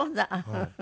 フフフ。